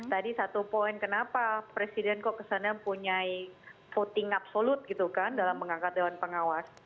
tadi satu poin kenapa presiden kok kesannya punya voting absolut gitu kan dalam mengangkat dewan pengawas